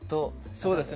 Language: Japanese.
そうですね。